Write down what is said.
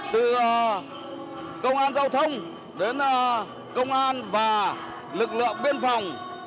từ công an giao thông đến công an và lực lượng biên phòng